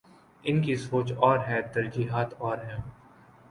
ان کی سوچ اور ہے، ترجیحات اور ہیں۔